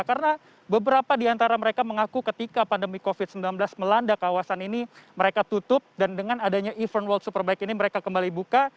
karena beberapa di antara mereka mengaku ketika pandemi covid sembilan belas melanda kawasan ini mereka tutup dan dengan adanya event world superbike ini mereka kembali buka